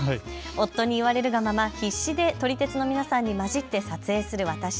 夫に言われるがまま必死で撮り鉄の皆さんにまじって撮影する私。